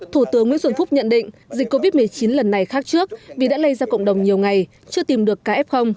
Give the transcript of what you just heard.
thủ tướng nguyễn xuân phúc nhận định dịch covid một mươi chín lần này khác trước vì đã lây ra cộng đồng nhiều ngày chưa tìm được kf